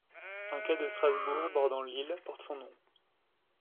Un quai de Strasbourg bordant l'Ill porte son nom.